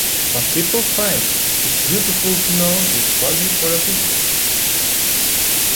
Some people find it useful to know this value for a business.